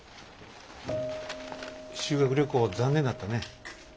修学旅行残念だったね。